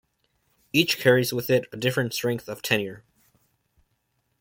Each carries with it a differing strength of tenure.